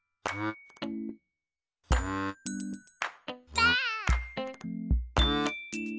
ばあっ！